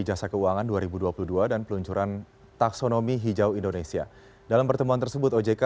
jasa keuangan dua ribu dua puluh dua dan peluncuran taksonomi hijau indonesia dalam pertemuan tersebut ojk